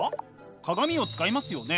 鏡を使いますよね。